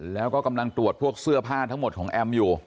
แล้วก็กำลังตรวจพวกเสื้อผ้าทั้งหมดของแอมอยู่